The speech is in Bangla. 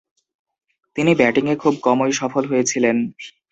তিনি ব্যাটিংয়ে খুব কমই সফল হয়েছিলেন।